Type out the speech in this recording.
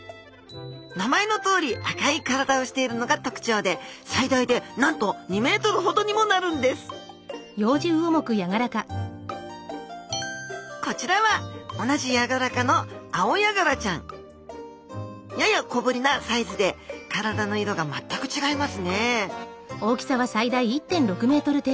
名前のとおり赤い体をしているのが特徴で最大でなんと２ｍほどにもなるんですこちらは同じヤガラ科のアオヤガラちゃん。やや小ぶりなサイズで体の色が全く違いますね